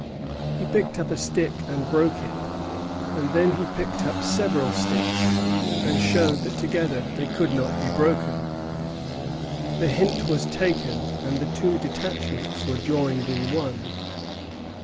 He picked up a stick and broke it; then he picked up several sticks, and showed that together they could not be broken. The hint was taken, and the two detachments were joined in one.